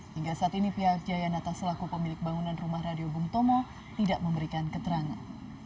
hingga saat ini pihak jayanata selaku pemilik bangunan rumah radio bung tomo tidak memberikan keterangan